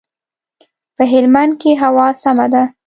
په هلمند کښي هوا سمه ده.